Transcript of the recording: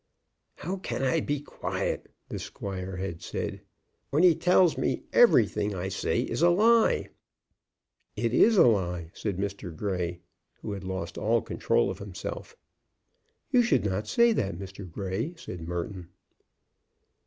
"How can I be quiet?" the squire had said, "when he tells me everything I say is a lie?" "It is a lie!" said Mr. Grey, who had lost all control of himself. "You should not say that, Mr. Grey," said Merton.